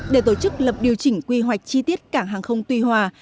để tổ chức lập điều chỉnh quy hoạch chi tiết cảng hàng không tuy hòa